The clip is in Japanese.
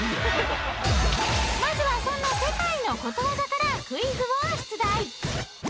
まずはそんな世界のことわざからクイズを出題！